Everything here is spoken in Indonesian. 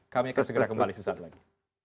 kami akan segera kembali sesaat lagi